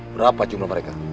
berapa jumlah mereka